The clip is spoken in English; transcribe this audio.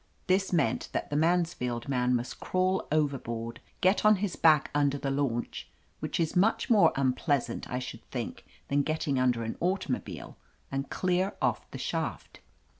This meant that the Mansfield man must crawl overboard, get on his back under the launch (which is much more un pleasant, I should think, than getting under an automobile), and clear off the shaft.